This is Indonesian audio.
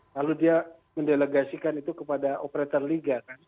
lalu dia mendelegasikan itu kepada operator liga kan